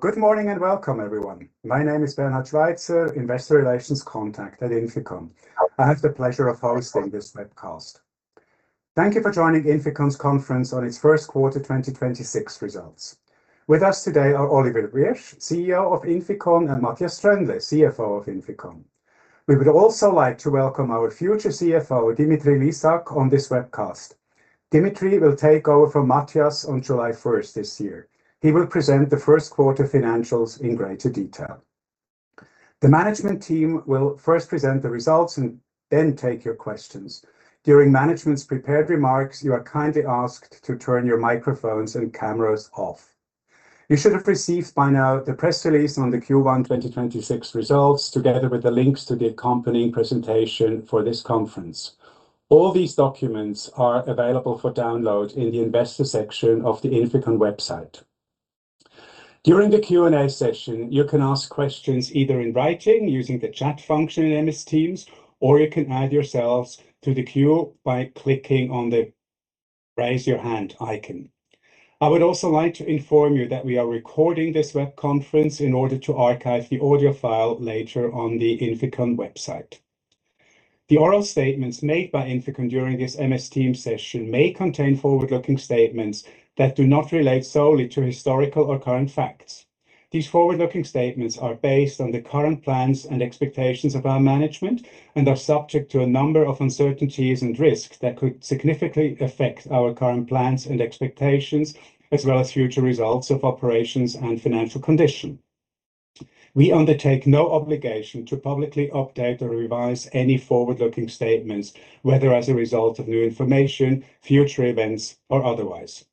Good morning and welcome everyone. My name is Bernhard Schweizer, Investor Relations Contact at INFICON. I have the pleasure of hosting this webcast. Thank you for joining INFICON's conference on its first quarter 2026 results. With us today are Oliver Wyrsch, CEO of INFICON, and Matthias Tröndle, CFO of INFICON. We would also like to welcome our future CFO, Dimitrij Lisak, on this webcast. Dimitrij will take over from Matthias on July 1st this year. He will present the first quarter financials in greater detail. The management team will first present the results and then take your questions. During management's prepared remarks, you are kindly asked to turn your microphones and cameras off. You should have received by now the press release on the Q1 2026 results, together with the links to the accompanying presentation for this conference. All these documents are available for download in the investor section of the INFICON website. During the Q&A session, you can ask questions either in writing using the chat function in Microsoft Teams, or you can add yourselves to the queue by clicking on the raise your hand icon. I would also like to inform you that we are recording this web conference in order to archive the audio file later on the INFICON website. The oral statements made by INFICON during this Microsoft Teams session may contain forward-looking statements that do not relate solely to historical or current facts. These forward-looking statements are based on the current plans and expectations of our management and are subject to a number of uncertainties and risks that could significantly affect our current plans and expectations, as well as future results of operations and financial condition. We undertake no obligation to publicly update or revise any forward-looking statements, whether as a result of new information, future events, or otherwise.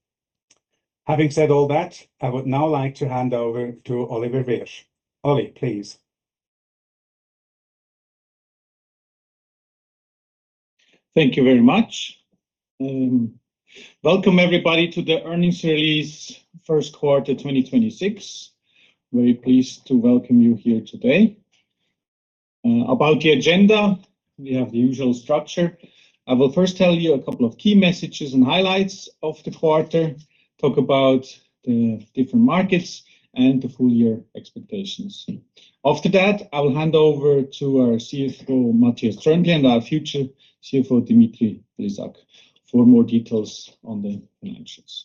Having said all that, I would now like to hand over to Oliver Wyrsch. Oli, please. Thank you very much. Welcome everybody to the earnings release first quarter 2026. Very pleased to welcome you here today. About the agenda, we have the usual structure. I will first tell you a couple of key messages and highlights of the quarter, talk about the different markets and the full-year expectations. After that, I will hand over to our CFO, Matthias Tröndle, and our future CFO, Dimitrij Lisak, for more details on the financials.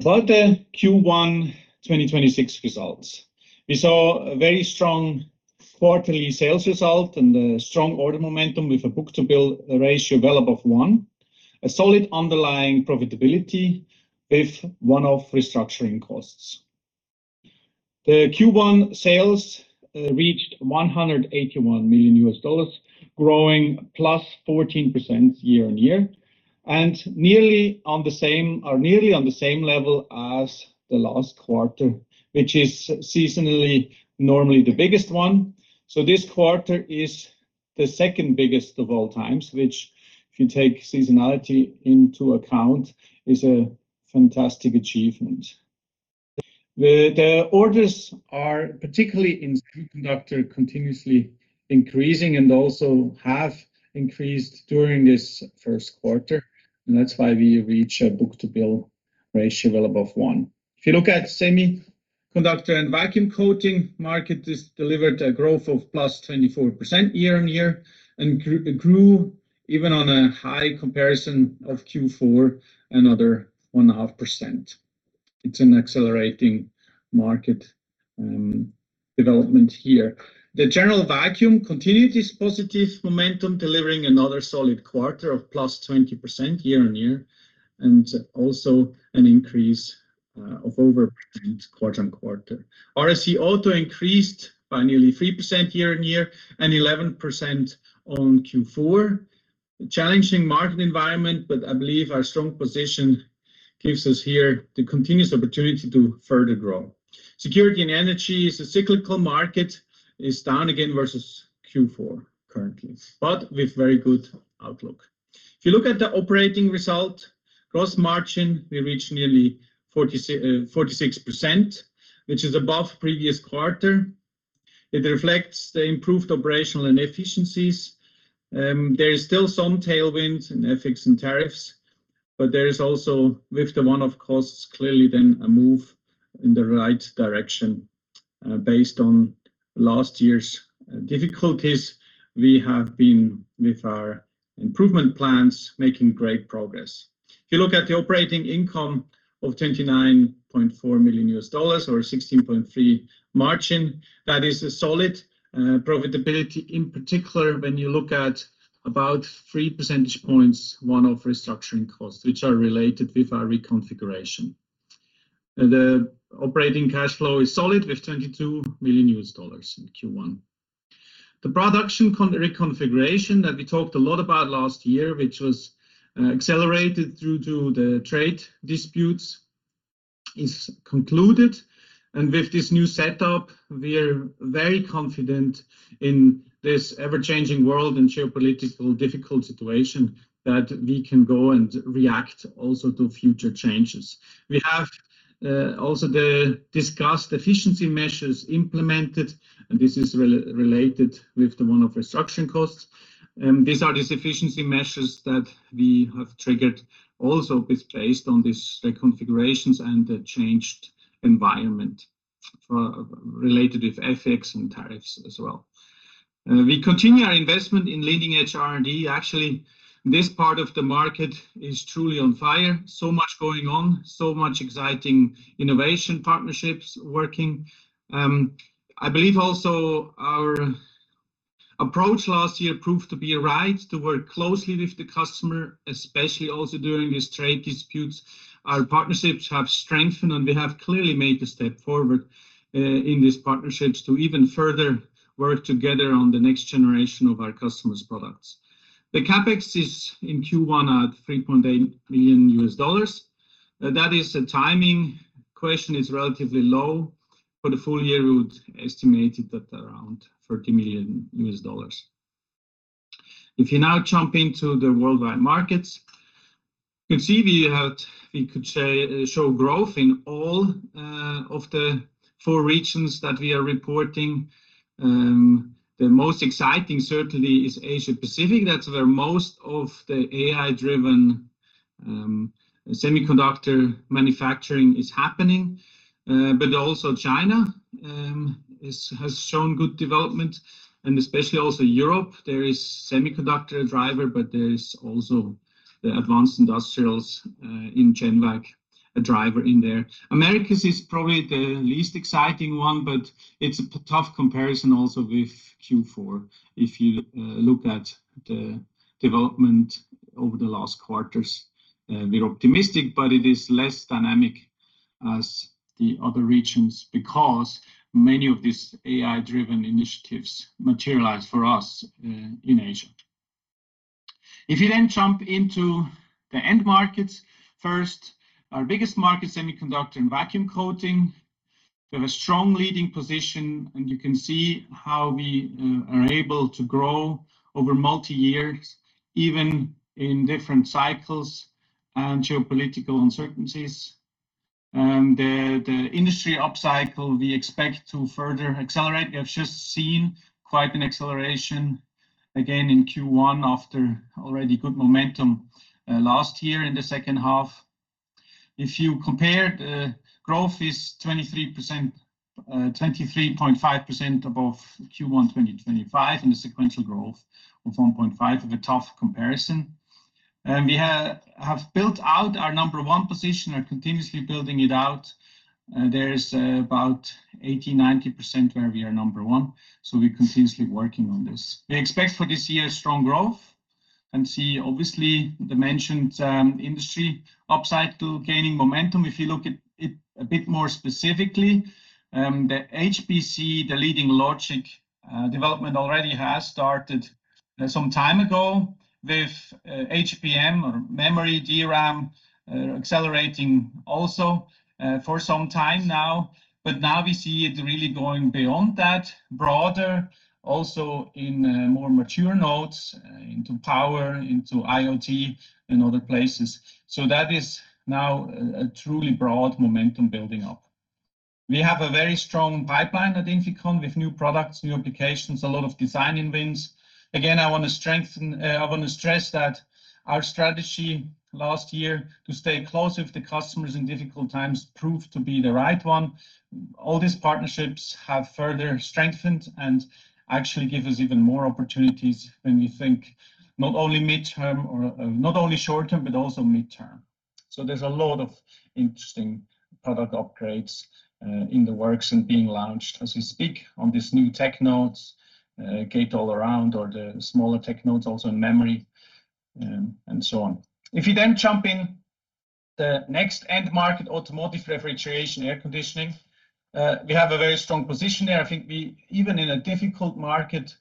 About the Q1 2026 results. We saw a very strong quarterly sales result and a strong order momentum with a book-to-bill ratio well above one, a solid underlying profitability with one-off restructuring costs. The Q1 sales reached $181 million, growing +14% year-over-year, and nearly on the same level as the last quarter, which is seasonally normally the biggest one. This quarter is the second biggest of all time, which, if you take seasonality into account, is a fantastic achievement. The orders are, particularly in Semiconductor, continuously increasing and also have increased during this first quarter, and that's why we reach a book-to-bill ratio well above 1x. If you look at Semiconductor and Vacuum Coating market, this delivered a growth of +24% year-over-year and grew even on a high comparison of Q4, another 1.5%. It's an accelerating market development here. The General Vacuum continued its positive momentum, delivering another solid quarter of +20% year-over-year, and also an increase of over quarter-over-quarter. RAC Auto increased by nearly 3% year-over-year and 11% on Q4. A challenging market environment, but I believe our strong position gives us here the continuous opportunity to further grow. Security and energy is a cyclical market, is down again versus Q4 currently, but with very good outlook. If you look at the operating result, gross margin, we reached nearly 46%, which is above previous quarter. It reflects the improved operational efficiencies. There is still some tailwind in FX and tariffs, but there is also, with the one-off costs, clearly a move in the right direction. Based on last year's difficulties, we have been, with our improvement plans, making great progress. If you look at the operating income of $29.4 million, or 16.3% margin, that is a solid profitability, in particular, when you look at about three percentage points one-off restructuring costs, which are related with our reconfiguration. The operating cash flow is solid with $22 million in Q1. The production reconfiguration that we talked a lot about last year, which was accelerated due to the trade disputes, is concluded. With this new setup, we are very confident in this ever-changing world and geopolitical difficult situation that we can go and react also to future changes. We have also the discussed efficiency measures implemented, and this is related with the one-off restructuring costs. These are the efficiency measures that we have triggered also based on these configurations and the changed environment related with FX and tariffs as well. We continue our investment in leading-edge R&D. Actually, this part of the market is truly on fire. So much going on, so many exciting innovation partnerships working. I believe also our approach last year proved to be right, to work closely with the customer, especially also during these trade disputes. Our partnerships have strengthened, and we have clearly made a step forward in these partnerships to even further work together on the next generation of our customers' products. The CapEx is in Q1 at $3.8 million. That is a timing question. It's relatively low. For the full year, we would estimate it at around $30 million. If you now jump into the worldwide markets, you can see we could show growth in all of the four regions that we are reporting. The most exciting certainly is Asia Pacific. That's where most of the AI-driven semiconductor manufacturing is happening. Also China has shown good development and especially also Europe. There is semiconductor-driven, but there is also the advanced industrials in GenVac, a driver in there. Americas is probably the least exciting one, but it's a tough comparison also with Q4 if you look at the development over the last quarters. We're optimistic, but it is less dynamic as the other regions because many of these AI-driven initiatives materialize for us in Asia. If you then jump into the end markets, first, our biggest market, semiconductor and vacuum coating, we have a strong leading position, and you can see how we are able to grow over multi-years, even in different cycles and geopolitical uncertainties. The industry upcycle we expect to further accelerate. We have just seen quite an acceleration again in Q1 after already good momentum last year in the second half. If you compare, the growth is 23.5% above Q1 2025 and a sequential growth of 1.5% of a tough comparison. We have built out our number one position, are continuously building it out. There is about 80%, 90% where we are number one, so we're continuously working on this. We expect for this year strong growth and see obviously the mentioned industry upcycle gaining momentum. If you look at it a bit more specifically, the HPC, the leading logic development already has started some time ago with HBM or memory DRAM accelerating also for some time now, but now we see it really going beyond that, broader, also in more mature nodes, into power, into IoT and other places. That is now a truly broad momentum building up. We have a very strong pipeline at INFICON with new products, new applications, a lot of design-ins. Again, I want to stress that our strategy last year to stay close with the customers in difficult times proved to be the right one. All these partnerships have further strengthened and actually give us even more opportunities when we think not only short term, but also midterm. There's a lot of interesting product upgrades in the works and being launched as we speak on these new tech nodes, gate-all-around or the smaller tech nodes also in memory and so on. If you then jump in the next end market, automotive, refrigeration, air conditioning, we have a very strong position there. I think we, even in a difficult market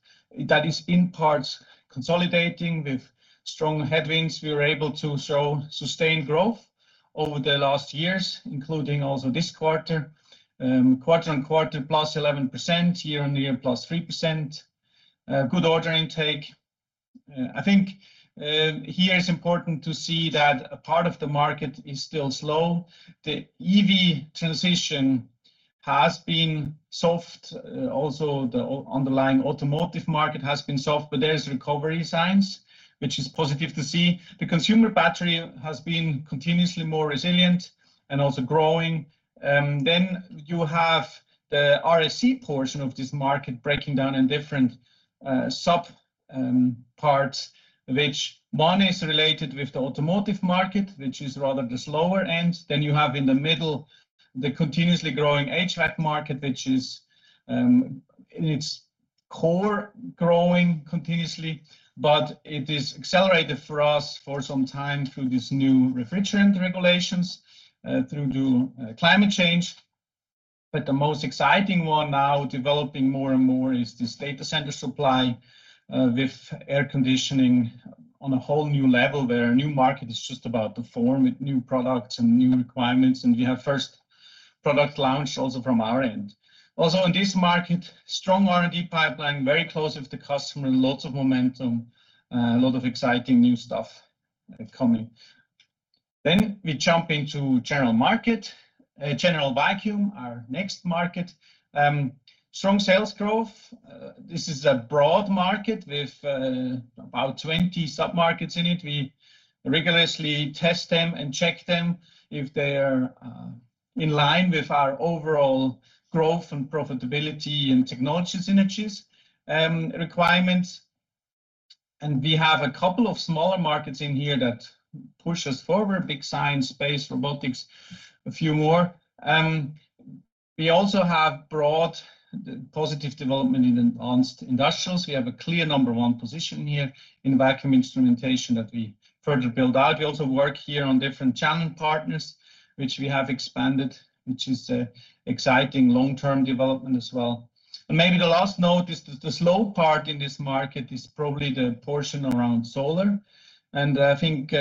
that is in parts consolidating with strong headwinds, we were able to show sustained growth over the last years, including also this quarter. Quarter-on-quarter, +11%, year-on-year, +3%. Good order intake. I think here it's important to see that a part of the market is still slow. The EV transition has been soft. Also, the underlying automotive market has been soft, but there are signs of recovery, which is positive to see. The consumer battery has been continuously more resilient and also growing. You have the RAC portion of this market breaking down into different subparts, one of which is related to the automotive market, which is rather the slower end. You have in the middle the continuously growing HVAC market, which is at its core growing continuously. It is accelerated for us for some time through these new refrigerant regulations, through climate change. The most exciting one now developing more and more is this data center supply, with air conditioning on a whole new level. There, a new market is just about to form with new products and new requirements, and we have first product launch also from our end. Also in this market, strong R&D pipeline, very close with the customer, lots of momentum, a lot of exciting new stuff coming. We jump into general market. General vacuum, our next market. Strong sales growth. This is a broad market with about 20 sub-markets in it. We rigorously test them and check them if they are in line with our overall growth and profitability and technology synergies and requirements. We have a couple of smaller markets in here that push us forward, big science, space, robotics, a few more. We also have broad positive development in advanced industrials. We have a clear number one position here in vacuum instrumentation that we further build out. We also work here on different channel partners, which we have expanded, which is exciting long-term development as well. Maybe the last note is that the slow part in this market is probably the portion around solar. I think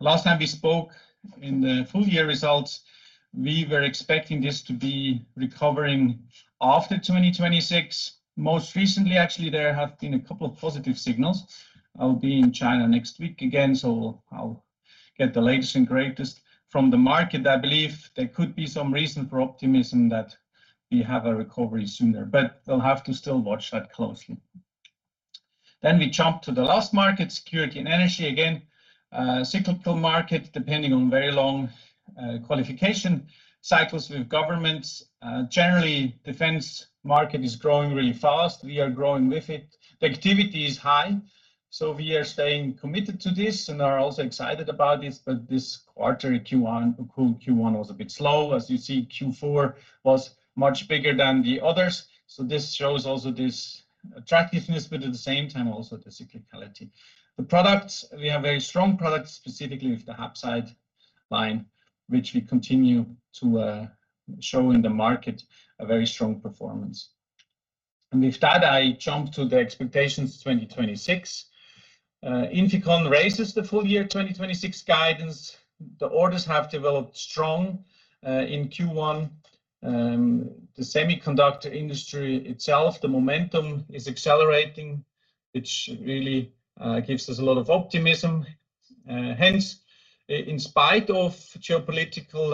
last time we spoke in the full-year results, we were expecting this to be recovering after 2026. Most recently, actually, there have been a couple of positive signals. I'll be in China next week again, so I'll get the latest and greatest from the market. I believe there could be some reason for optimism that we have a recovery sooner, but we'll have to still watch that closely. We jump to the last market, security and energy. Again, cyclical market, depending on very long qualification cycles with governments. Generally, defense market is growing really fast. We are growing with it. The activity is high, so we are staying committed to this and are also excited about this. This quarter Q1 was a bit slow. As you see, Q4 was much bigger than the others. This shows also this attractiveness, but at the same time also the cyclicality. The products, we have very strong products, specifically with the HAPSITE line, which we continue to show in the market a very strong performance. With that, I jump to the expectations 2026. INFICON raises the full-year 2026 guidance. The orders have developed strong in Q1. The semiconductor industry itself, the momentum is accelerating, which really gives us a lot of optimism. Hence, in spite of geopolitical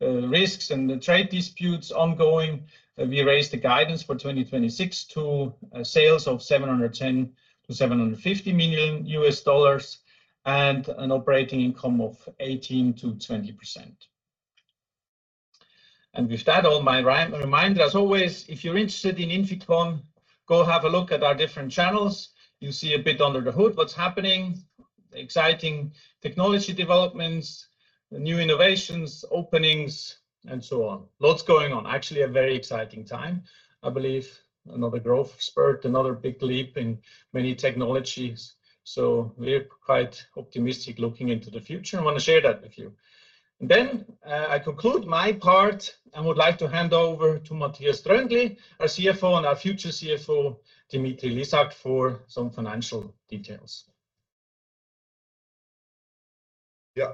risks and the trade disputes ongoing, we raised the guidance for 2026 to sales of $710 million-$750 million and an operating income of 18%-20%. With that, my reminder, as always, if you're interested in INFICON, go have a look at our different channels. You see a bit under the hood what's happening, exciting technology developments, new innovations, openings, and so on. Lots going on. Actually, a very exciting time. I believe another growth spurt, another big leap in many technologies. We're quite optimistic looking into the future. I want to share that with you. I conclude my part and would like to hand over to Matthias Tröndle, our CFO, and our future CFO, Dimitrij Lisak, for some financial details. Yeah.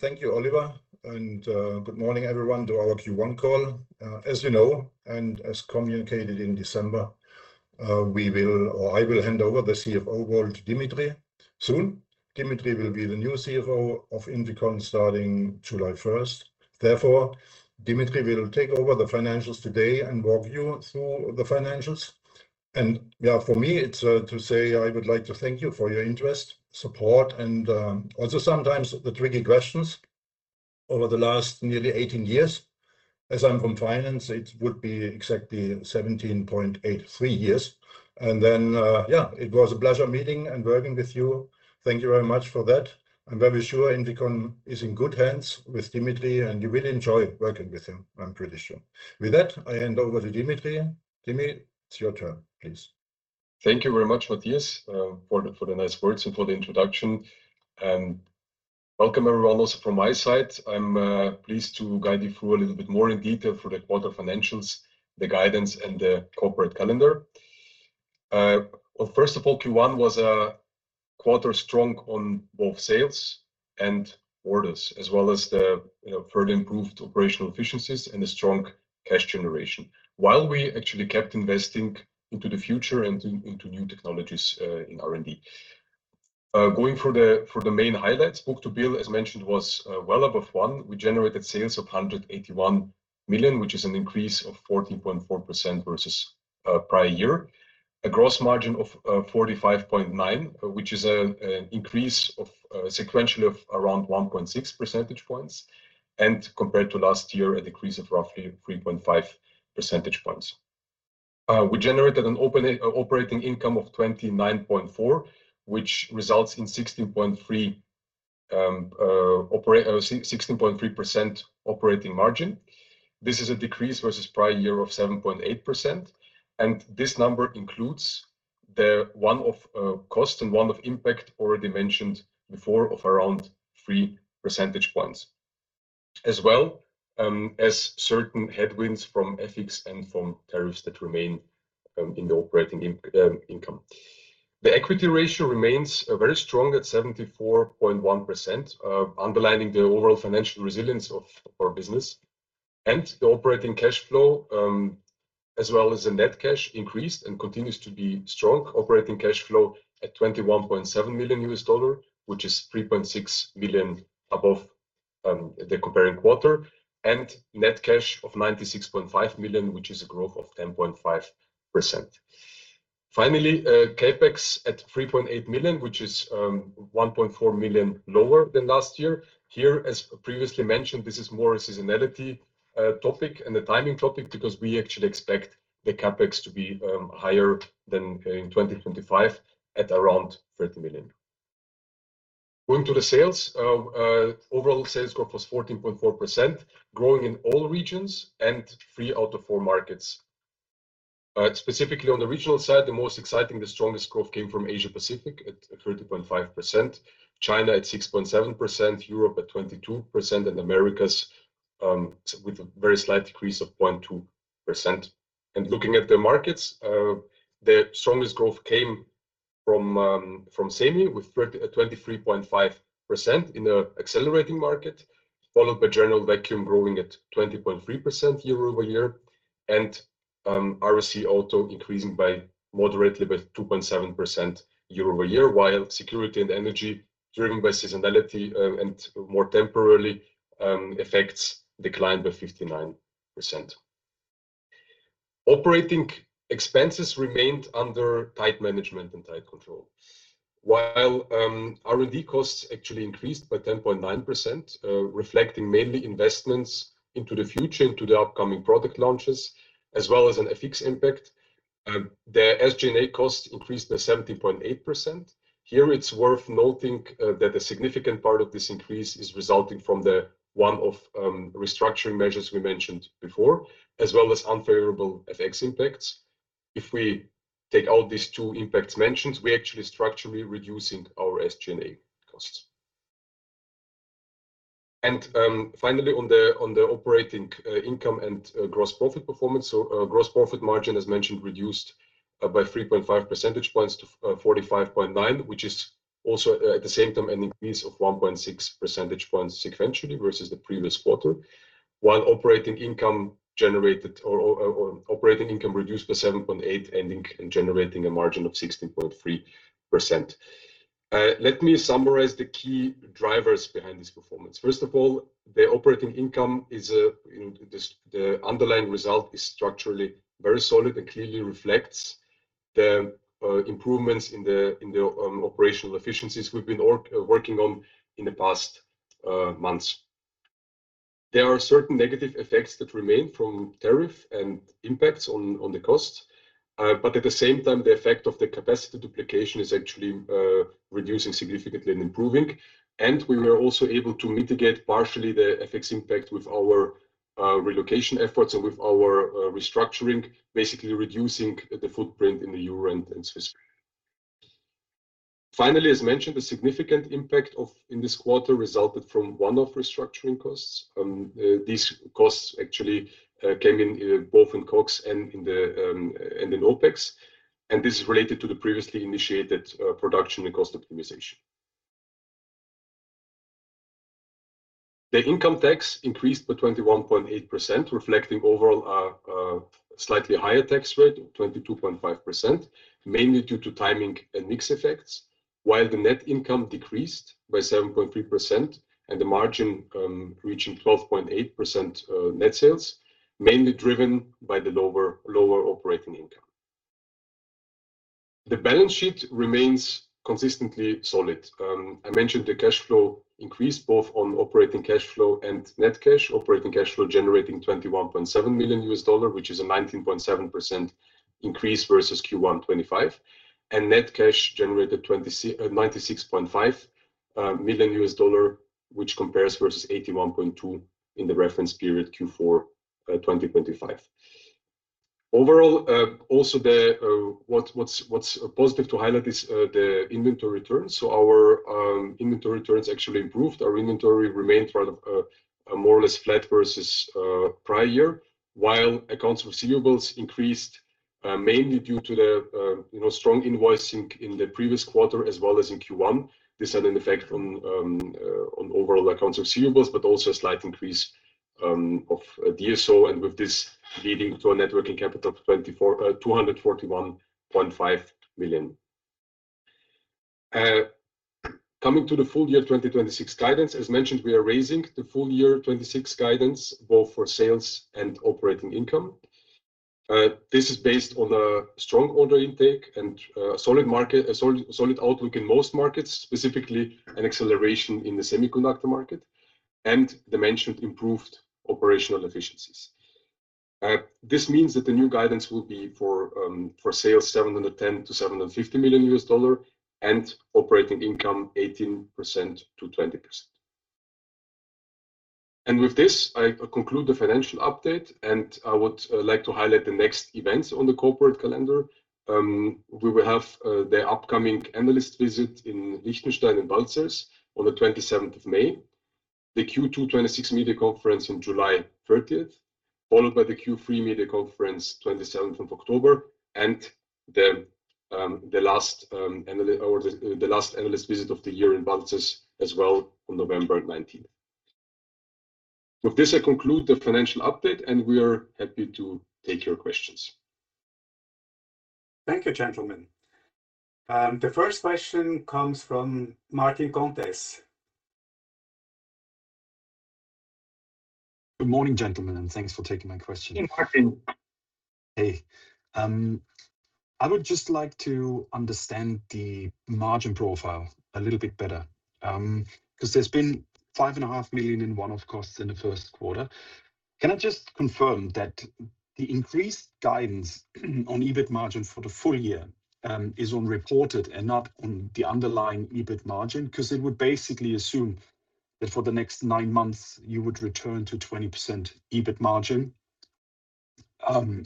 Thank you, Oliver, and good morning everyone to our Q1 call. As you know, and as communicated in December, I will hand over the CFO role to Dimitrij soon. Dimitrij will be the new CFO of INFICON starting July 1st. Therefore, Dimitrij will take over the financials today and walk you through the financials. Yeah, for me, it's to say I would like to thank you for your interest, support, and also sometimes the tricky questions over the last nearly 18 years. As I'm from finance, it would be exactly 17.83 years. Yeah, it was a pleasure meeting and working with you. Thank you very much for that. I'm very sure INFICON is in good hands with Dimitrij, and you will enjoy working with him, I'm pretty sure. With that, I hand over to Dimitrij. Dimitrij, it's your turn, please. Thank you very much, Matthias, for the nice words and for the introduction. Welcome everyone also from my side. I'm pleased to guide you through a little bit more in detail for the quarter financials, the guidance, and the corporate calendar. Well, first of all, Q1 was a quarter strong on both sales and orders, as well as the further improved operational efficiencies and a strong cash generation, while we actually kept investing into the future and into new technologies in R&D. Going through the main highlights. Book-to-bill, as mentioned, was well above one. We generated sales of $181 million, which is an increase of 14.4% versus prior year. A gross margin of 45.9%, which is an increase sequentially of around 1.6 percentage points. Compared to last year, a decrease of roughly 3.5 percentage points. We generated an operating income of $29.4 million, which results in 16.3% operating margin. This is a decrease versus prior year of 7.8%. This number includes the one-off cost and one-off impact already mentioned before of around three percentage points, as well as certain headwinds from FX and from tariffs that remain in the operating income. The equity ratio remains very strong at 74.1%, underlining the overall financial resilience of our business. The operating cash flow, as well as the net cash increased and continues to be strong. Operating cash flow at $21.7 million, which is $3.6 million above the comparable quarter. Net cash of $96.5 million, which is a growth of 10.5%. Finally, CapEx at $3.8 million, which is $1.4 million lower than last year. Here, as previously mentioned, this is more a seasonality topic and a timing topic because we actually expect the CapEx to be higher than in 2025, at around $30 million. Going to the sales. Overall sales growth was 14.4%, growing in all regions and three out of four markets. Specifically on the regional side, the most exciting, the strongest growth came from Asia Pacific at 30.5%, China at 6.7%, Europe at 22%, and Americas with a very slight decrease of 0.2%. Looking at the markets, the strongest growth came from Semi with 23.5% in an accelerating market, followed by general vacuum growing at 20.3% year-over-year, and RAC Auto increasing moderately by 2.7% year-over-year, while security and energy, driven by seasonality and more temporary effects, declined by 59%. Operating expenses remained under tight management and tight control. While R&D costs actually increased by 10.9%, reflecting mainly investments into the future, into the upcoming product launches, as well as an FX impact, the SG&A costs increased by 17.8%. Here, it's worth noting that a significant part of this increase is resulting from the one-off restructuring measures we mentioned before, as well as unfavorable FX impacts. If we take out these two impacts mentioned, we're actually structurally reducing our SG&A costs. Finally, on the operating income and gross profit performance. Gross profit margin, as mentioned, reduced by 3.5 percentage points to 45.9%, which is also, at the same time, an increase of 1.6 percentage points sequentially versus the previous quarter, while operating income reduced by 7.8%, ending and generating a margin of 16.3%. Let me summarize the key drivers behind this performance. First of all, the operating income, the underlying result is structurally very solid and clearly reflects the improvements in the operational efficiencies we've been working on in the past months. There are certain negative effects that remain from tariff and impacts on the cost. At the same time, the effect of the capacity duplication is actually reducing significantly and improving. We were also able to mitigate partially the FX impact with our relocation efforts and with our restructuring, basically reducing the footprint in the euro and in Switzerland. Finally, as mentioned, a significant impact in this quarter resulted from one-off restructuring costs. These costs actually came both in COGS and in OpEx, and this is related to the previously initiated production and cost optimization. The income tax increased by 21.8%, reflecting overall a slightly higher tax rate of 22.5%, mainly due to timing and mix effects. While the net income decreased by 7.3% and the margin reaching 12.8% net sales, mainly driven by the lower operating income. The balance sheet remains consistently solid. I mentioned the cash flow increased both on operating cash flow and net cash. Operating cash flow generating $21.7 million, which is a 19.7% increase versus Q1 2025, and net cash generated $96.5 million, which compares versus $81.2 million in the reference period Q4 2025. Overall, what's positive to highlight is the inventory returns. Our inventory returns actually improved. Our inventory remained more or less flat versus prior year, while accounts receivables increased mainly due to the strong invoicing in the previous quarter as well as in Q1. This had an effect on overall accounts receivables, but also a slight increase of DSO, and with this leading to a net working capital of $241.5 million. Coming to the full year 2026 guidance. As mentioned, we are raising the full year 2026 guidance both for sales and operating income. This is based on a strong order intake and a solid outlook in most markets, specifically an acceleration in the semiconductor market, and the mentioned improved operational efficiencies. This means that the new guidance will be for sales $710 million-$750 million, and operating income 18%-20%. With this, I conclude the financial update, and I would like to highlight the next events on the corporate calendar. We will have the upcoming analyst visit in Liechtenstein in Balzers on the 27th of May, the Q2 2026 media conference on July 30th, followed by the Q3 media conference 27th of October, and the last analyst visit of the year in Balzers as well on November 19th. With this, I conclude the financial update, and we are happy to take your questions. Thank you, gentlemen. The first question comes from Martin Comtesse. Good morning, gentlemen, and thanks for taking my question. Good morning. Hey. I would just like to understand the margin profile a little bit better. Because there's been $5.5 million in one-off costs in the first quarter. Can I just confirm that the increased guidance on EBIT margin for the full year is on reported and not on the underlying EBIT margin? Because it would basically assume that for the next nine months, you would return to 20% EBIT margin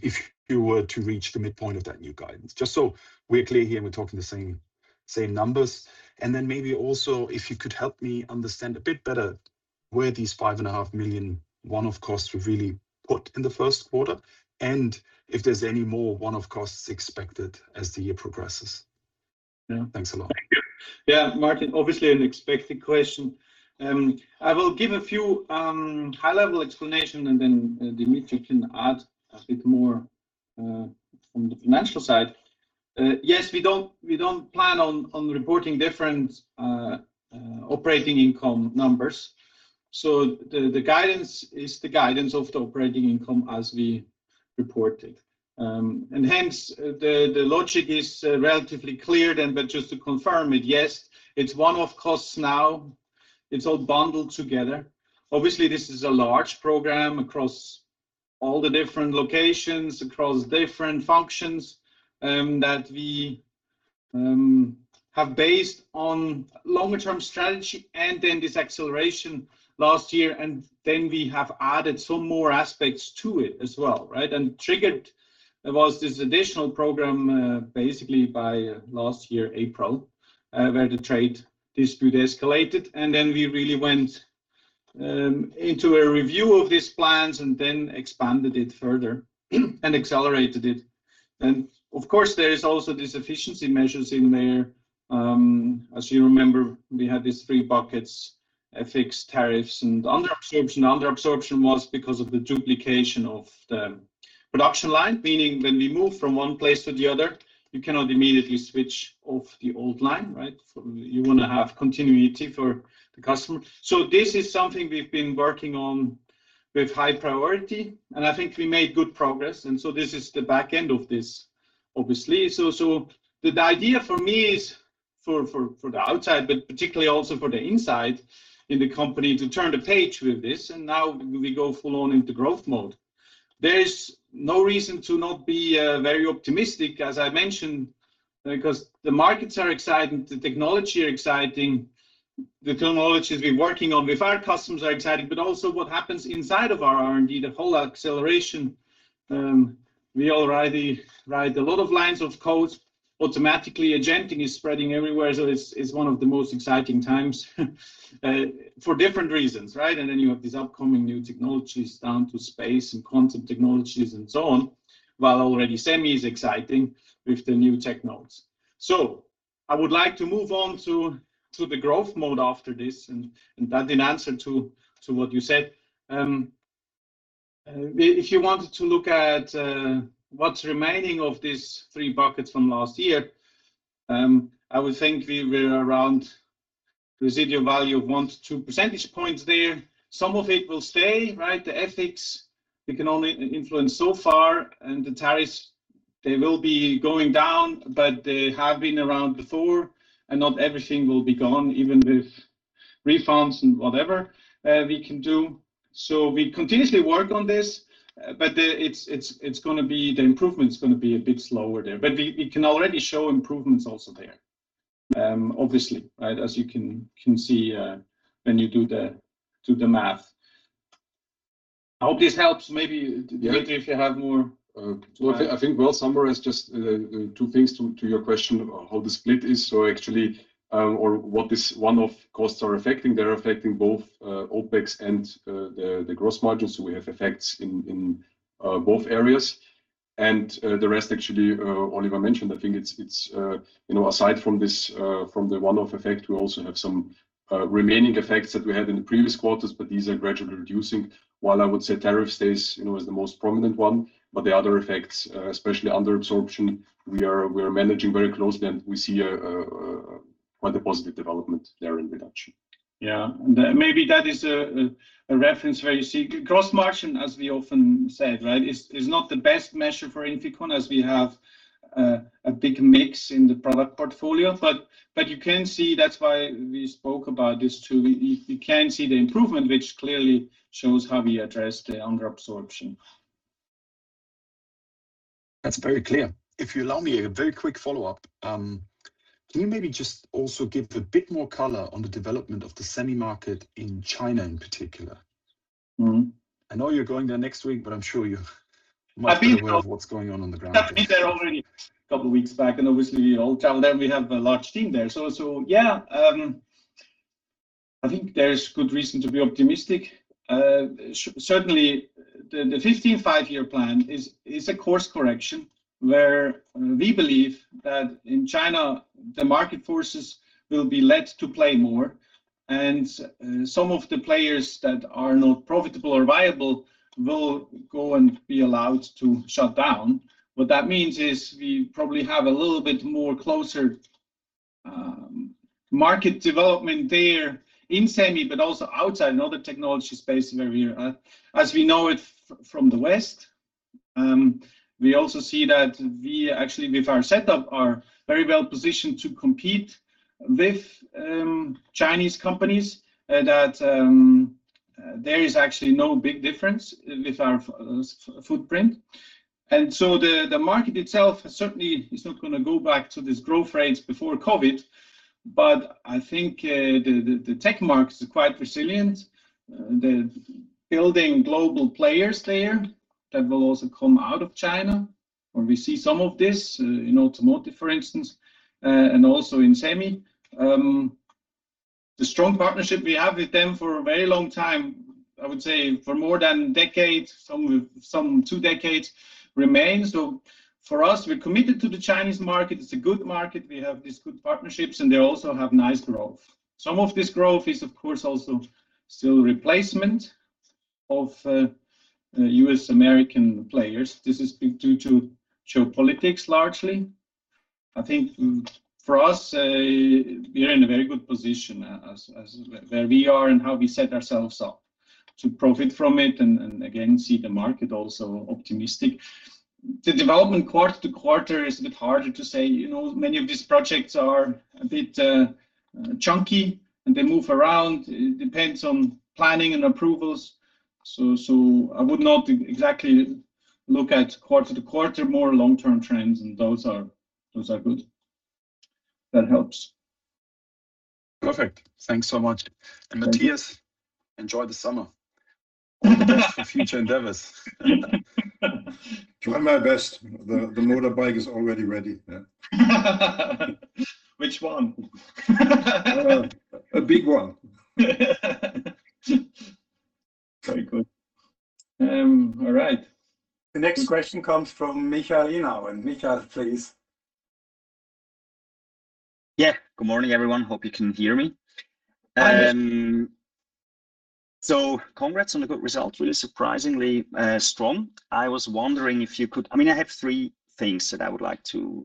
if you were to reach the midpoint of that new guidance. Just so we are clear here and we're talking the same numbers. Then maybe also, if you could help me understand a bit better where these $5.5 million one-off costs were really put in the first quarter and if there's any more one-off costs expected as the year progresses. Yeah. Thanks a lot. Thank you. Yeah, Martin, obviously an expected question. I will give a few high-level explanation, and then Dimitrij can add a bit more from the financial side. Yes, we don't plan on reporting different operating income numbers. The guidance is the guidance of the operating income as we report it. Hence, the logic is relatively clear then, but just to confirm it, yes, it's one-off costs now. It's all bundled together. Obviously, this is a large program across all the different locations, across different functions, that we have based on long-term strategy and then this acceleration last year, and then we have added some more aspects to it as well, right? Triggered was this additional program, basically by last year, April, where the trade dispute escalated, and then we really went into a review of these plans and then expanded it further and accelerated it. Of course, there is also these efficiency measures in there. As you remember, we had these three buckets, FX, tariffs, and underabsorption. Underabsorption was because of the duplication of the production line, meaning when we move from one place to the other, you cannot immediately switch off the old line, right? You want to have continuity for the customer. This is something we've been working on with high priority, and I think we made good progress, and this is the back end of this, obviously. The idea for me is for the outside, but particularly also for the inside in the company to turn the page with this, and now we go full on into growth mode. There is no reason to not be very optimistic, as I mentioned, because the markets are exciting, the technology are exciting. The technologies we're working on with our customers are exciting. Also what happens inside of our R&D, the whole acceleration. We already write a lot of lines of code. Automatically, agenting is spreading everywhere, so it's one of the most exciting times for different reasons, right? Then you have these upcoming new technologies down to space and quantum technologies and so on, while already semi is exciting with the new tech nodes. I would like to move on to the growth mode after this. That in answer to what you said. If you wanted to look at what's remaining of these three buckets from last year, I would think we were around residual value of 1-2 percentage points there. Some of it will stay, right? The FX, we can only influence so far, and the tariffs, they will be going down, but they have been around before, and not everything will be gone, even with refunds and whatever we can do. We continuously work on this, but the improvement's going to be a bit slower there. We can already show improvements also there. Obviously, right? As you can see when you do the math. I hope this helps. Maybe Dimitrij, if you have more- I think, well, there are just two things to your question about how the split is. Actually, on what this one-off costs are affecting, they're affecting both OpEx and the gross margins. We have effects in both areas. The rest actually Oliver mentioned. I think it's aside from the one-off effect, we also have some remaining effects that we had in the previous quarters, but these are gradually reducing. While I would say tariff stays as the most prominent one, but the other effects, especially underabsorption, we are managing very closely, and we see quite a positive development there in reduction. Yeah. Maybe that is a reference where you see gross margin, as we often said, is not the best measure for INFICON, as we have a big mix in the product portfolio. You can see that's why we spoke about this too. We can see the improvement, which clearly shows how we address the under-absorption. That's very clear. If you allow me a very quick follow-up. Can you maybe just also give a bit more color on the development of the semi market in China in particular? Mm-hmm. I know you're going there next week, but I'm sure you much. I've been- aware of what's going on on the ground. I've been there already a couple of weeks back, and obviously you all travel there. We have a large team there. Yeah. I think there's good reason to be optimistic. Certainly, the 15th Five-Year Plan is a course correction where we believe that in China, the market forces will be let to play more, and some of the players that are not profitable or viable will go and be allowed to shut down. What that means is we probably have a little bit more closer market development there in semi, but also outside in other technology spaces where we are. As we know it from the West, we also see that we actually, with our setup, are very well positioned to compete with Chinese companies and that there is actually no big difference with our footprint. The market itself certainly is not going to go back to this growth rates before COVID, but I think the tech market is quite resilient. They're building global players there that will also come out of China, and we see some of this in automotive, for instance, and also in semi. The strong partnership we have with them for a very long time, I would say for more than a decade, some two decades, remains. For us, we're committed to the Chinese market. It's a good market. We have these good partnerships, and they also have nice growth. Some of this growth is, of course, also still replacement of U.S. American players. This is due to geopolitics largely. I think for us, we are in a very good position as where we are and how we set ourselves up to profit from it, and again, see the market also optimistic. The development quarter-to-quarter is a bit harder to say. Many of these projects are a bit chunky, and they move around. It depends on planning and approvals. I would not exactly look at quarter-to-quarter, more long-term trends, and those are good. That helps. Perfect. Thanks so much. Matthias, enjoy the summer. All the best for future endeavors. Try my best. The motorbike is already ready, yeah. Which one? A big one. Very good. All right. The next question comes from Michael Foeth. Michael, please. Yeah. Good morning, everyone. Hope you can hear me. Hi, Michael. Congrats on a good result, really surprisingly strong. I was wondering if you could. I have three things that I would like to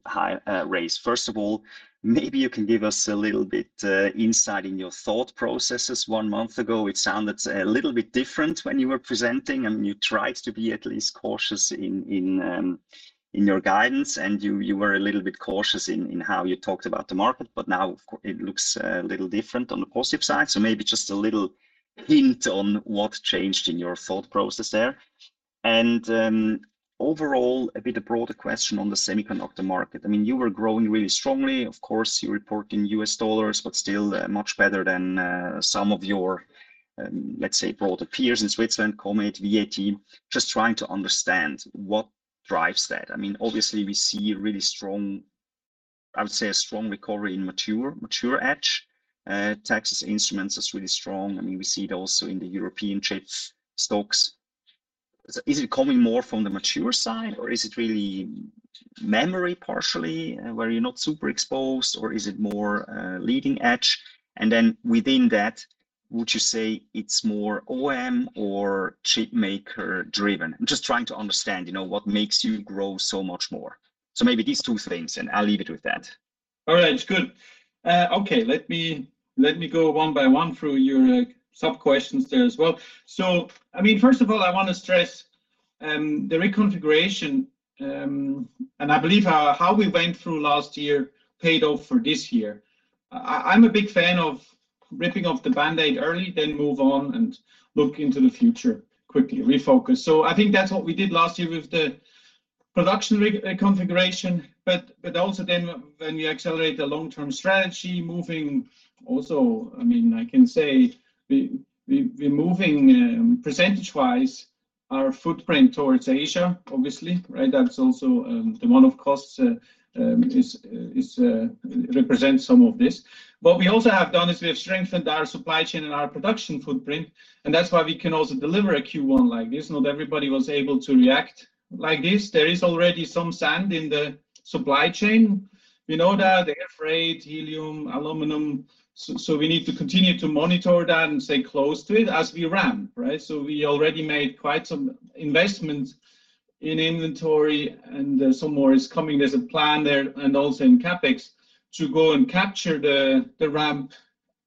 raise. First of all, maybe you can give us a little bit insight in your thought processes. One month ago, it sounded a little bit different when you were presenting, and you tried to be at least cautious in your guidance, and you were a little bit cautious in how you talked about the market, but now it looks a little different on the positive side. Maybe just a little hint on what changed in your thought process there. Overall, a bit broader question on the semiconductor market. You were growing really strongly. Of course, you report in U.S. dollars, but still much better than some of your, let's say, broader peers in Switzerland, Comet, VAT. Just trying to understand what drives that. Obviously, we see a really strong, I would say, a strong recovery in mature edge. Texas Instruments is really strong. We see it also in the European chip stocks. Is it coming more from the mature side, or is it really memory partially, where you're not super exposed, or is it more leading edge? Within that, would you say it's more OEM or chip maker driven? I'm just trying to understand what makes you grow so much more. Maybe these two things, and I'll leave it with that. All right. Good. Okay. Let me go one by one through your sub-questions there as well. First of all, I want to stress the reconfiguration, and I believe how we went through last year paid off for this year. I'm a big fan of ripping off the Band-Aid early, then move on and look into the future, quickly refocus. I think that's what we did last year with the production reconfiguration. Also then when we accelerate the long-term strategy, moving also, I can say we're moving, percentage-wise, our footprint towards Asia, obviously, right? That's also one of the costs that represents some of this. What we also have done is we have strengthened our supply chain and our production footprint, and that's why we can also deliver a Q1 like this. Not everybody was able to react like this. There is already some sand in the supply chain. We know that air freight, helium, aluminum, so we need to continue to monitor that and stay close to it as we ramp, right? We already made quite some investments in inventory, and some more is coming. There's a plan there, and also in CapEx, to go and capture the ramp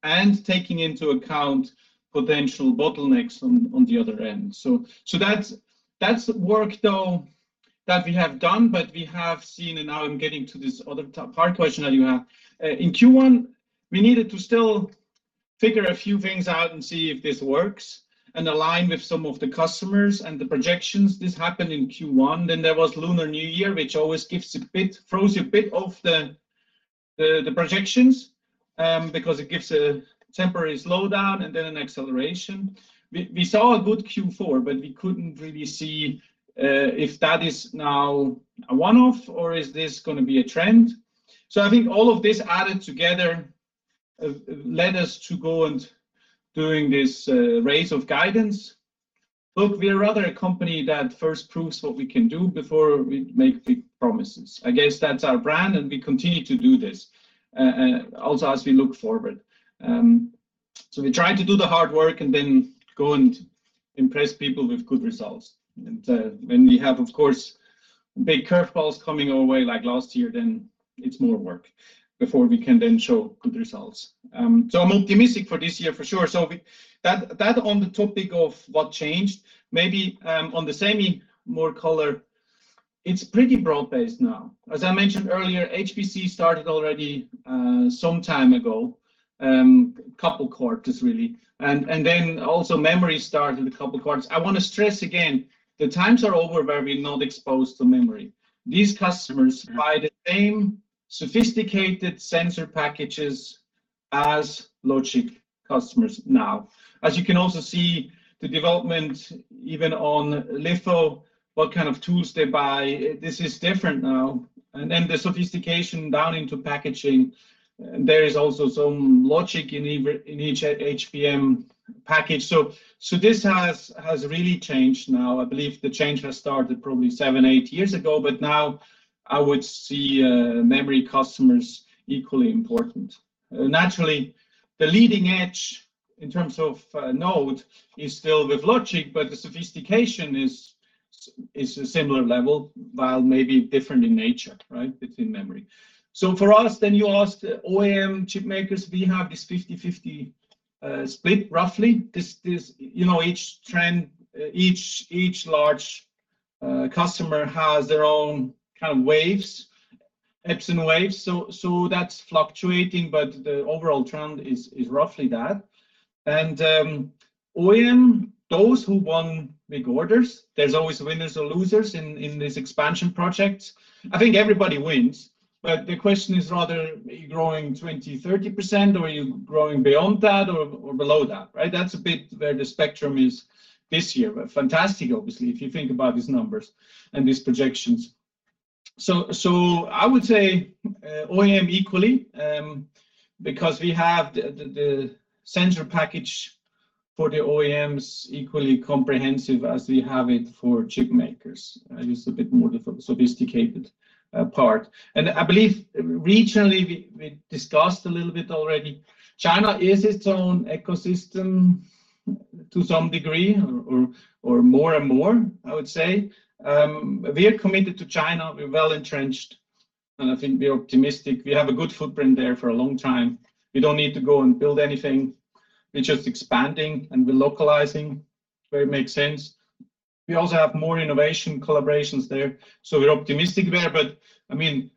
and taking into account potential bottlenecks on the other end. That's work, though, that we have done, but we have seen, and now I'm getting to this other part question that you have. In Q1, we needed to still figure a few things out and see if this works and align with some of the customers and the projections. This happened in Q1. There was Lunar New Year, which always throws a bit off the projections, because it gives a temporary slowdown and then an acceleration. We saw a good Q4, but we couldn't really see if that is now a one-off or is this going to be a trend. I think all of this added together led us to go and doing this raise of guidance. Look, we are rather a company that first proves what we can do before we make big promises. I guess that's our brand, and we continue to do this, also as we look forward. We try to do the hard work and then go and impress people with good results. When we have, of course, big curve balls coming our way like last year, then it's more work before we can then show good results. I'm optimistic for this year for sure. That on the topic of what changed, maybe on the semi more color, it's pretty broad-based now. As I mentioned earlier, HPC started already some time ago, couple quarters really, and then also memory started a couple quarters. I want to stress again, the times are over where we're not exposed to memory. These customers buy the same sophisticated sensor packages as logic customers now. As you can also see the development even on litho, what kind of tools they buy, this is different now. The sophistication down into packaging, there is also some logic in each HBM package. This has really changed now. I believe the change has started probably seven, eight years ago, but now I would see memory customers equally important. Naturally, the leading edge in terms of node is still with logic, but the sophistication is a similar level, while maybe different in nature. Right? It's in memory. For us then you ask OEM chip makers, we have this 50/50 split roughly. Each large customer has their own kind of ebbs and waves, so that's fluctuating, but the overall trend is roughly that. OEM, those who won big orders, there's always winners or losers in these expansion projects. I think everybody wins, but the question is rather are you growing 20%-30%, or are you growing beyond that or below that, right? That's a bit where the spectrum is this year, but fantastic obviously, if you think about these numbers and these projections. I would say OEM equally, because we have the sensor package for the OEMs equally comprehensive as we have it for chip makers. It's a bit more the sophisticated part. I believe regionally, we discussed a little bit already. China is its own ecosystem to some degree or more and more, I would say. We are committed to China. We're well-entrenched and I think we're optimistic. We have a good footprint there for a long time. We don't need to go and build anything. We're just expanding and we're localizing where it makes sense. We also have more innovation collaborations there, so we're optimistic there.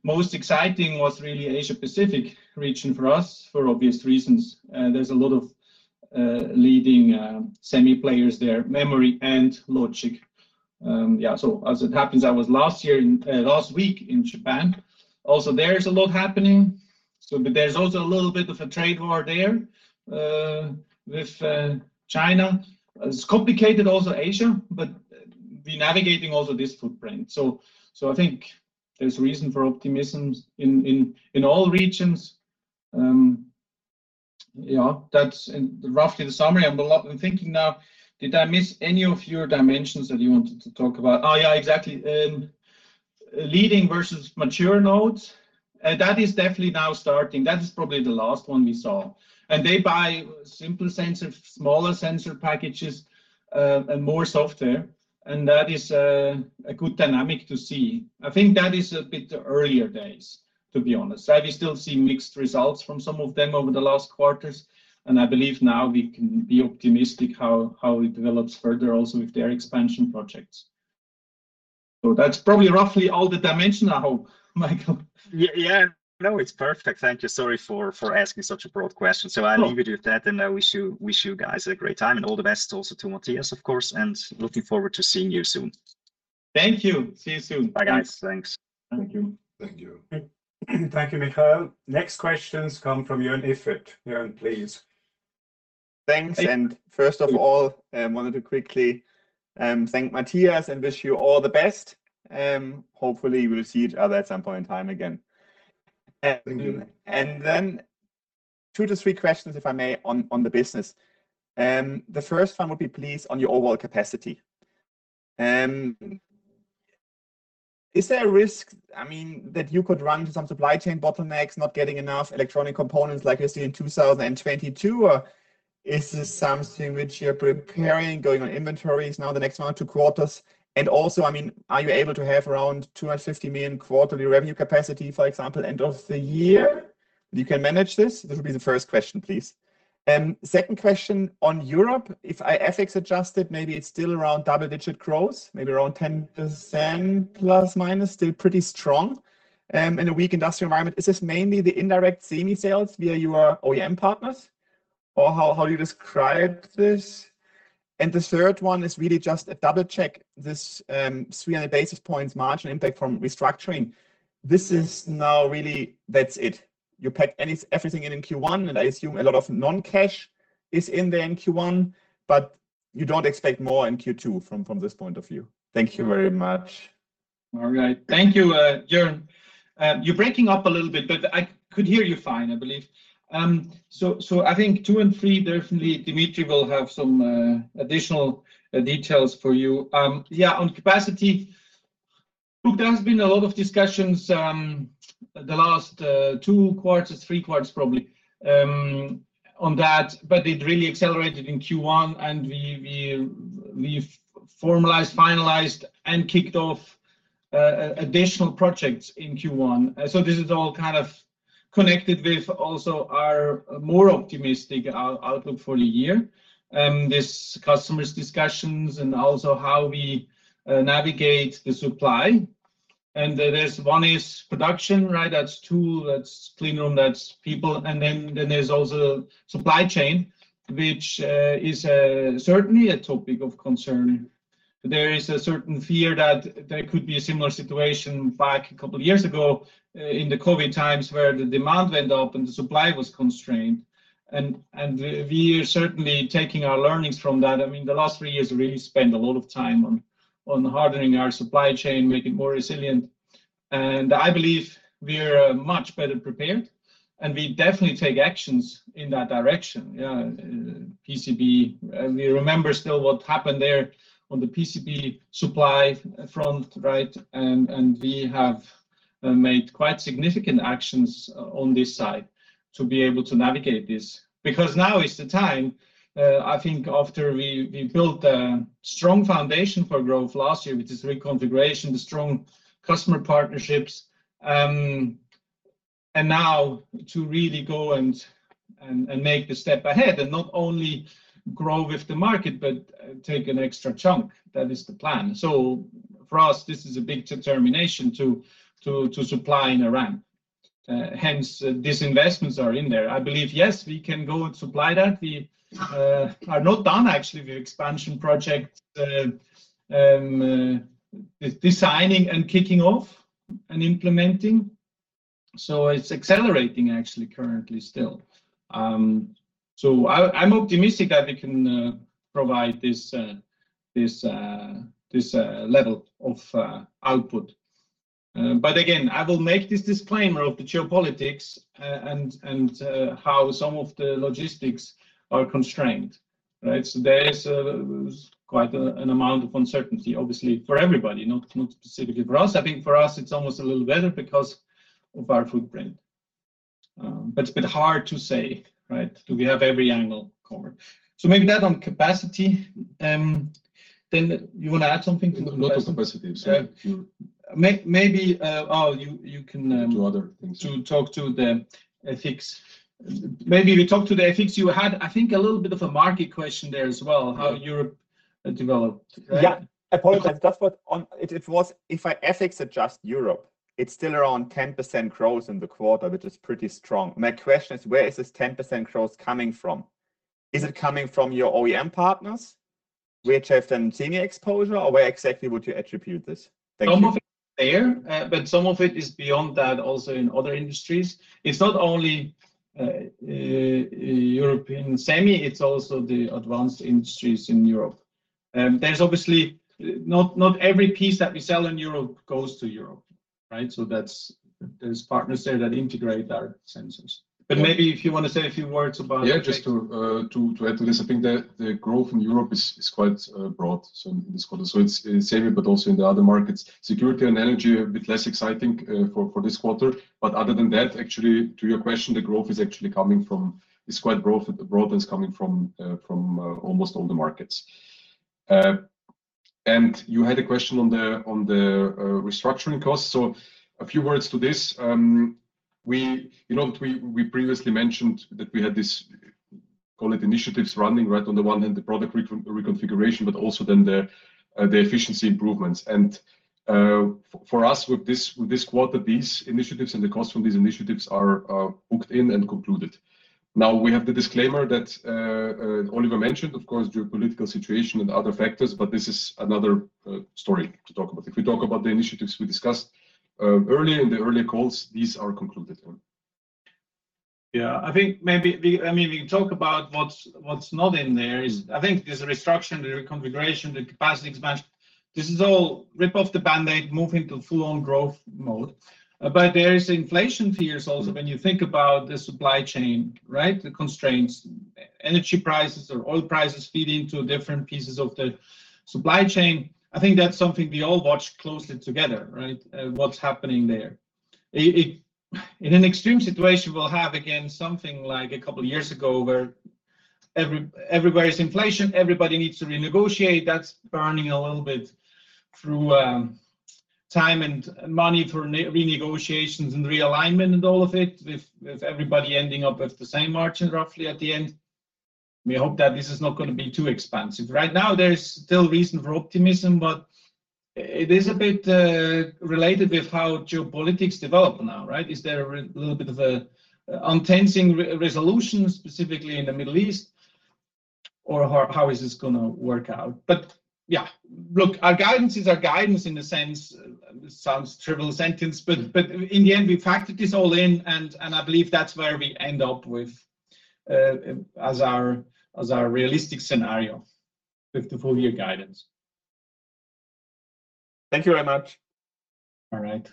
Most exciting was really Asia Pacific region for us for obvious reasons. There's a lot of leading semi players there, memory and logic. Yeah, as it happens, I was last week in Japan also. There's a lot happening, but there's also a little bit of a trade war there, with China. It's complicated also, Asia, but we're navigating also this footprint. I think there's reason for optimism in all regions. That's roughly the summary. I'm thinking now, did I miss any of your dimensions that you wanted to talk about? Oh, yeah, exactly. Leading versus mature nodes, that is definitely now starting. That is probably the last one we saw. They buy simple sensor, smaller sensor packages, and more software, and that is a good dynamic to see. I think that is a bit early days, to be honest. I still see mixed results from some of them over the last quarters, and I believe now we can be optimistic how it develops further also with their expansion projects. That's probably roughly all the dimension I hope, Michael. Yeah. No, it's perfect. Thank you. Sorry for asking such a broad question. No. I'll leave it at that, and I wish you guys a great time, and all the best also to Matthias, of course, and looking forward to seeing you soon. Thank you. See you soon. Bye, guys. Thanks. Thank you. Thank you. Thank you, Michael. Next questions come from Joern Iffert. Joern, please. Thanks. First of all, I wanted to quickly thank Matthias and wish you all the best. Hopefully, we'll see each other at some point in time again. Thank you. Two to three questions, if I may, on the business. The first one would be please on your overall capacity. Is there a risk that you could run into some supply chain bottlenecks, not getting enough electronic components like we see in 2022? Or is this something which you're preparing going on inventories now the next one or two quarters? Also, are you able to have around $250 million quarterly revenue capacity, for example, end of the year? You can manage this? This will be the first question, please. Second question on Europe, if FX adjust it, maybe it's still around double-digit growth, maybe around 10%±, still pretty strong, in a weak industrial environment. Is this mainly the indirect semi sales via your OEM partners? Or how do you describe this? The third one is really just a double check this 300 basis points margin impact from restructuring. This is now really, that's it. You packed everything in Q1, and I assume a lot of non-cash is in the Q1, but you don't expect more in Q2 from this point of view. Thank you very much. All right. Thank you, Joern. You're breaking up a little bit, but I could hear you fine, I believe. I think two and three, definitely Dimitrij will have some additional details for you. Yeah, on capacity. Look, there's been a lot of discussions the last two quarters, three quarters probably, on that, but it really accelerated in Q1, and we've formalized, finalized, and kicked off additional projects in Q1. This is all kind of connected with also our more optimistic outlook for the year. These customers discussions and also how we navigate the supply. One is production, right? That's tool, that's clean room, that's people. Then there's also supply chain, which is certainly a topic of concern. There is a certain fear that there could be a similar situation back a couple of years ago in the COVID times, where the demand went up and the supply was constrained. We are certainly taking our learnings from that. I mean, the last three years really spent a lot of time on hardening our supply chain, make it more resilient. I believe we are much better prepared, and we definitely take actions in that direction. Yeah. PCB, we remember still what happened there on the PCB supply front, right? We have made quite significant actions on this side to be able to navigate this. Because now is the time, I think, after we built a strong foundation for growth last year, which is reconfiguration, the strong customer partnerships. Now to really go and make the step ahead, and not only grow with the market but take an extra chunk. That is the plan. For us, this is a big determination to supply in a ramp. Hence, these investments are in there. I believe, yes, we can go and supply that. We are not done actually with the expansion project, designing and kicking off and implementing. It's accelerating actually currently still. I'm optimistic that we can provide this level of output. But again, I will make this disclaimer of the geopolitics and how some of the logistics are constrained. Right? There is quite an amount of uncertainty, obviously, for everybody, not specifically for us. I think for us it's almost a little better because of our footprint. It's a bit hard to say, right? Do we have every angle covered? Maybe that on capacity. You want to add something? No, the capacity is there. Maybe, oh, you can- Do other things. ...to talk to the FX. Maybe we talk to the FX. You had, I think, a little bit of a market question there as well, how Europe developed? Yeah. I apologize. It was, if FX adjust, Europe, it's still around 10% growth in the quarter, which is pretty strong. My question is, where is this 10% growth coming from? Is it coming from your OEM partners, which have their semi exposure? Or where exactly would you attribute this? Thank you. Some of it there, but some of it is beyond that also in other industries. It's not only European semi, it's also the advanced industries in Europe. There's obviously not every piece that we sell in Europe goes to Europe, right? There's partners there that integrate our sensors. Maybe if you want to say a few words about- Yeah, just to add to this, I think the growth in Europe is quite broad in this quarter. It's semi, but also in the other markets. Security and energy, a bit less exciting for this quarter. Other than that, actually to your question, it's quite broad, the growth is coming from almost all the markets. You had a question on the restructuring costs. A few words to this. You know that we previously mentioned that we had this, call it initiatives running, right? On the one hand, the product reconfiguration, but also then the efficiency improvements. For us, with this quarter, these initiatives and the cost from these initiatives are booked in and concluded. Now we have the disclaimer that Oliver mentioned, of course, geopolitical situation and other factors. This is another story to talk about. If we talk about the initiatives we discussed earlier in the calls, these are concluded. Yeah, I think maybe we can talk about what's not in there is I think there's a restructure, the reconfiguration, the capacity expansion. This is all rip off the Band-Aid, move into full-on growth mode. There is inflation fears also when you think about the supply chain, right? The constraints, energy prices or oil prices feed into different pieces of the supply chain. I think that's something we all watch closely together, right? What's happening there. In an extreme situation, we'll have, again, something like a couple of years ago, where everybody's inflation, everybody needs to renegotiate. That's burning a little bit through time and money for renegotiations and realignment and all of it, with everybody ending up with the same margin roughly at the end. We hope that this is not going to be too expensive. Right now, there is still reason for optimism, but it is a bit related with how geopolitics develop now, right? Is there a little bit of a untensing resolution specifically in the Middle East, or how is this going to work out? Yeah, look, our guidance is our guidance in a sense. This sounds trivial sentence, but, in the end, we factored this all in and I believe that's where we end up with as our realistic scenario with the full year guidance. Thank you very much. All right.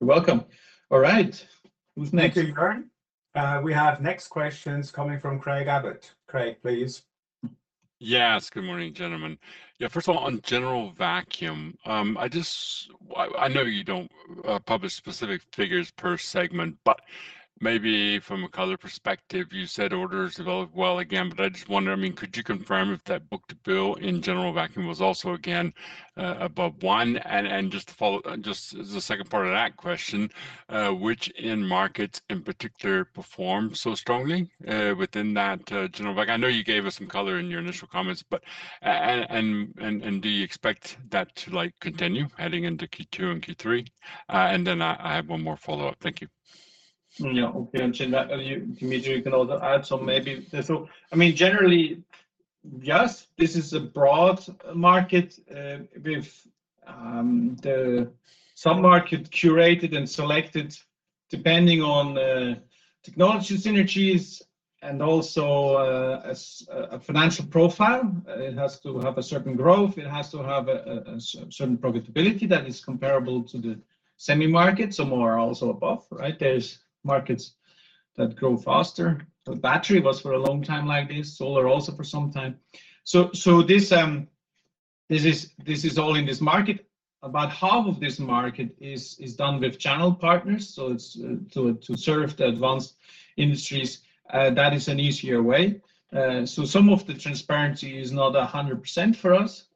You're welcome. All right, who's next? Thank you, Joern. We have next questions coming from Craig Abbott. Craig, please. Yes, good morning, gentlemen. Yeah, first of all, on General Vacuum, I know you don't publish specific figures per segment, but maybe from a color perspective, you said orders developed well again. I just wonder, could you confirm if that book-to-bill in General Vacuum was also again above one? Just as a second part of that question, which end markets in particular performed so strongly within that General Vacuum? I know you gave us some color in your initial comments, but do you expect that to continue heading into Q2 and Q3? Then I have one more follow-up. Thank you. Yeah. Okay. Dimitrij, you can also add some maybe. Generally, yes, this is a broad market with some markets curated and selected depending on the technology synergies and also as a financial profile. It has to have a certain growth. It has to have a certain profitability that is comparable to the semi market. Some are also above, right? There are markets that grow faster. Battery was for a long time like this. This is all in this market. About half of this market is done with channel partners. To serve the advanced industries, that is an easier way. Some of the transparency is not 100% for us.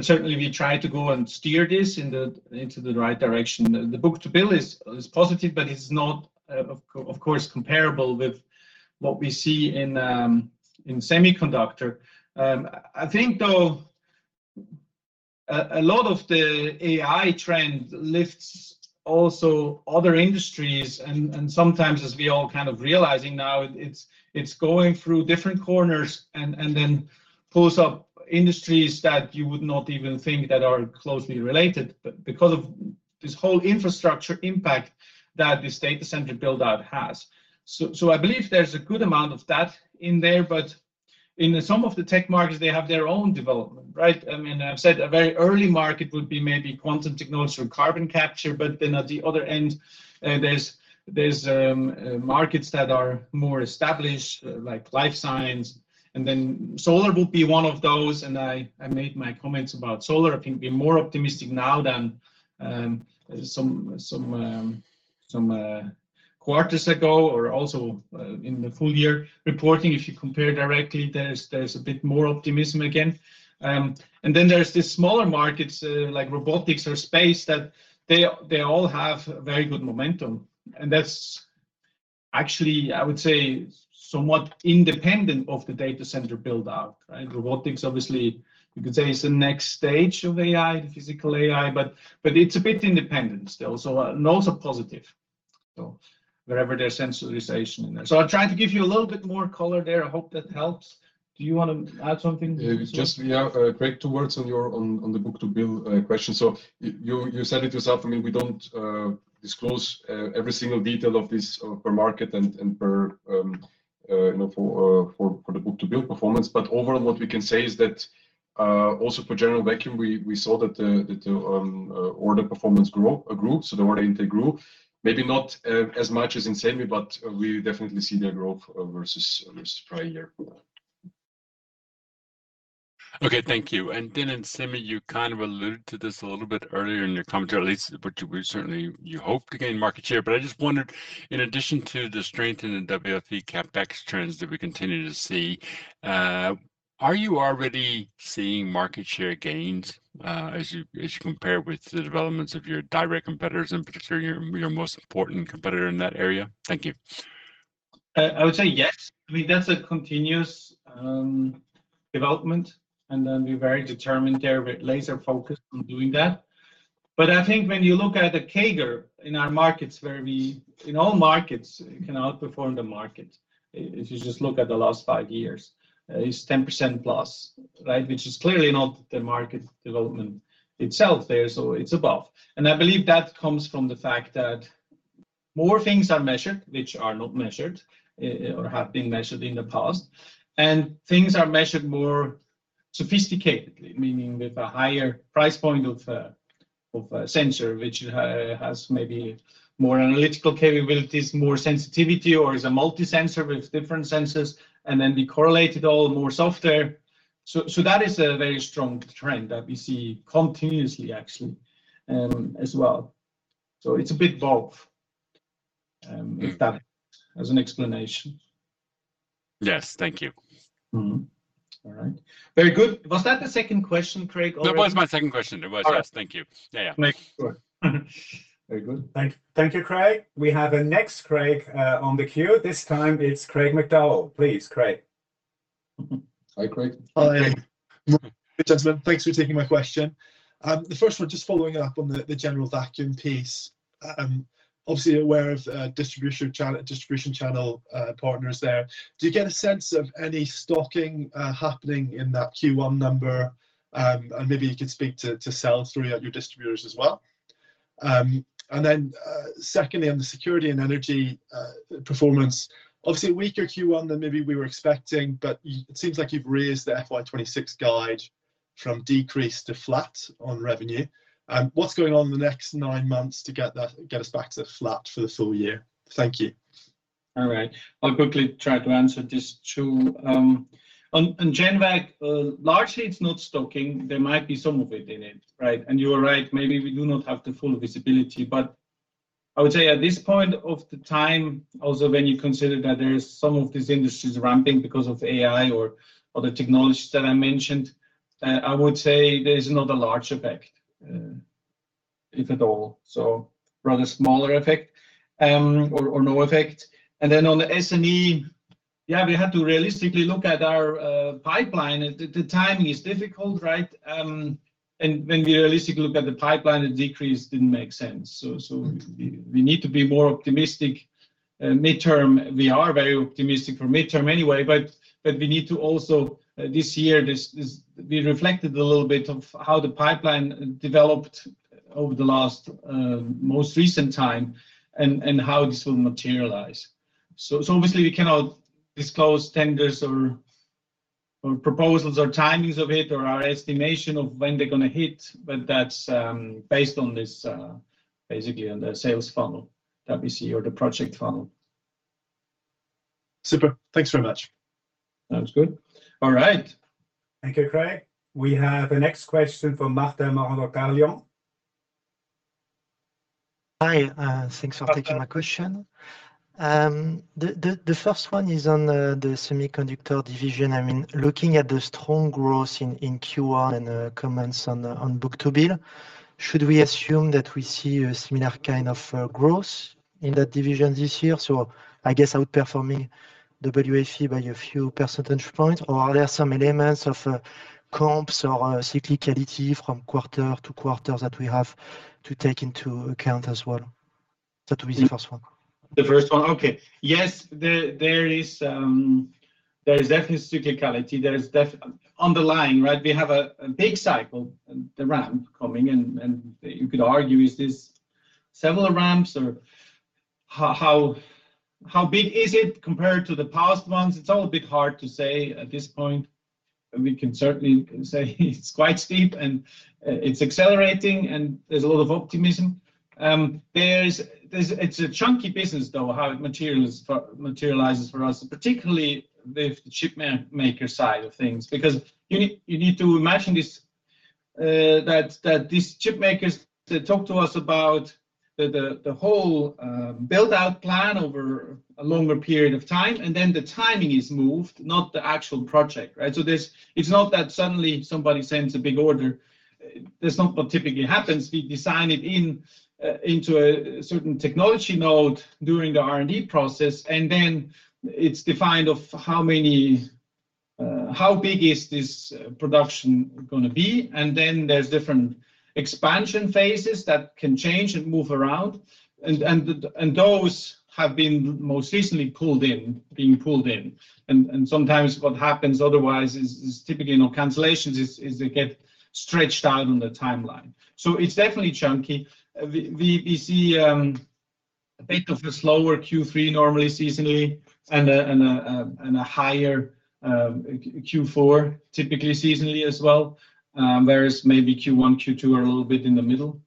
Certainly, we try to go and steer this into the right direction. The book-to-bill is positive, but it's not, of course, comparable with what we see in semiconductor. I think, though, a lot of the AI trend lifts also other industries and sometimes as we all kind of realizing now, it's going through different corners and then pulls up industries that you would not even think that are closely related because of this whole infrastructure impact that this data center build-out has. I believe there's a good amount of that in there, but in some of the tech markets, they have their own development, right? I've said a very early market would be maybe quantum technology or carbon capture, but then at the other end, there's markets that are more established, like life science, and then solar would be one of those, and I made my comments about solar. I can be more optimistic now than some quarters ago, or also in the full year reporting. If you compare directly, there's a bit more optimism again. Then there's the smaller markets, like robotics or space, that they all have very good momentum. That's actually, I would say, somewhat independent of the data center build-out, right? Robotics, obviously, you could say is the next stage of AI, the physical AI, but it's a bit independent still. Those are positive. Wherever there's centralization in there. I tried to give you a little bit more color there. I hope that helps. Do you want to add something? Just, yeah, Craig, two words on the book-to-bill question. You said it yourself. We don't disclose every single detail of this per market and for the book-to-bill performance. Overall, what we can say is that, also for General Vacuum, we saw that the order performance grew. The order intake grew, maybe not as much as in semi, but we definitely see the growth versus prior year. Okay. Thank you. In Semi, you kind of alluded to this a little bit earlier in your commentary, at least what you would certainly hope to gain market share. I just wondered, in addition to the strength in the WFE CapEx trends that we continue to see, are you already seeing market share gains as you compare with the developments of your direct competitors, in particular your most important competitor in that area? Thank you. I would say yes. That's a continuous development, and we're very determined there, we're laser-focused on doing that. I think when you look at the CAGR in our markets where we, in all markets, can outperform the market. If you just look at the last five years, it's 10%+, right? Which is clearly not the market development itself there. It's above. I believe that comes from the fact that more things are measured which are not measured or have been measured in the past, and things are measured more sophisticatedly, meaning with a higher price point of a sensor, which has maybe more analytical capabilities, more sensitivity, or is a multi-sensor with different sensors, and then we correlate it all more software. That is a very strong trend that we see continuously, actually, as well. It's a bit both, if that as an explanation. Yes. Thank you. All right. Very good. Was that the second question, Craig, or? That was my second question. It was, yes. All right. Thank you. Yeah. Next. Very good. Thank you, Craig. We have another Craig on the queue. This time it's Craig McDonald. Please, Craig. Hi, Craig. Hi. Good morning, gentlemen. Thanks for taking my question. The first one, just following up on the General Vacuum piece. Obviously aware of distribution channel partners there. Do you get a sense of any stocking happening in that Q1 number? Maybe you could speak to sell-through at your distributors as well. Then, secondly, on the security and energy performance, obviously a weaker Q1 than maybe we were expecting, but it seems like you've raised the FY 2026 guide from decrease to flat on revenue. What's going on in the next nine months to get us back to flat for the full year? Thank you. All right. I'll quickly try to answer these two. On GenVac, largely it's not stocking. There might be some of it in it. Right? You are right, maybe we do not have the full visibility, but I would say at this point in time, also when you consider that there is some of these industries ramping because of AI or the technologies that I mentioned, I would say there is not a large effect, if at all. Rather smaller effect, or no effect. On the S&E, yeah, we had to realistically look at our pipeline. The timing is difficult, right? When we realistically look at the pipeline, the decrease didn't make sense. We need to be more optimistic midterm. We are very optimistic for midterm anyway, but we need to also, this year we reflected a little bit of how the pipeline developed over the most recent time and how this will materialize. Obviously we cannot disclose tenders or proposals or timings of it or our estimation of when they're going to hit, but that's based on this, basically on the sales funnel that we see or the project funnel. Super. Thanks very much. Sounds good. All right. Thank you, Craig. We have the next question from Martin Marando-Kallio. Hi. Thanks for taking my question. The first one is on the semiconductor division. Looking at the strong growth in Q1 and the comments on book-to-bill, should we assume that we see a similar kind of growth in that division this year? I guess outperforming WFE by a few percentage points, or are there some elements of comps or cyclicality from quarter to quarter that we have to take into account as well? That will be the first one. The first one, okay. Yes, there is definitely cyclicality. On the line, we have a big cycle, the ramp coming, and you could argue is this several ramps or how big is it compared to the past ones? It's all a bit hard to say at this point. We can certainly say it's quite steep and it's accelerating and there's a lot of optimism. It's a chunky business, though, how it materializes for us, particularly with the chip maker side of things. Because you need to imagine that these chip makers talk to us about the whole build-out plan over a longer period of time, and then the timing is moved, not the actual project. Right? It's not that suddenly somebody sends a big order. That's not what typically happens. We design it into a certain technology node during the R&D process, and then it's defined of how big is this production going to be, and then there's different expansion phases that can change and move around. Those have been most recently pulled in. Sometimes what happens otherwise is typically, not cancellations, is they get stretched out on the timeline. It's definitely chunky. We see a bit of a slower Q3 normally seasonally, and a higher Q4, typically seasonally as well. Whereas maybe Q1, Q2 are a little bit in the middle,